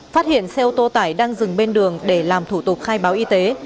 phát hiện xe ô tô tải đang dừng bên đường để làm thủ tục khai báo y tế